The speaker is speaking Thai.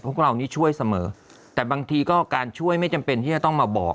พวกเรานี่ช่วยเสมอแต่บางทีก็การช่วยไม่จำเป็นที่จะต้องมาบอก